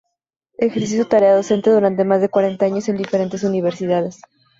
Ejerció su tarea docente durante más de cuarenta años en diferentes Universidades.